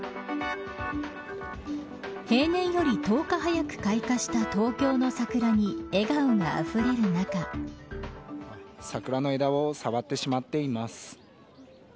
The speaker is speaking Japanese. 平年より１０日早く開花した東京の桜に笑顔があふれる中桜の枝を触ってしまっています。